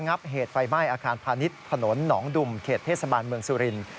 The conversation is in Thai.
งับเหตุไฟไหม้อาคารพาณิชย์ถนนหนองดุ่มเขตเทศบาลเมืองสุรินทร์